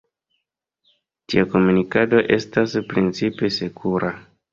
Tia komunikado estas principe sekura.